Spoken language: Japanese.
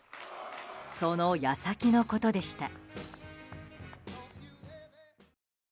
その矢先のことでした。